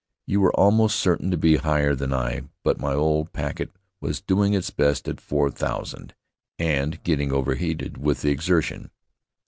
You were almost certain to be higher than I, but my old packet was doing its best at four thousand, and getting overheated with the exertion.